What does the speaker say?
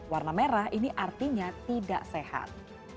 warna merah ini artinya tidak sehat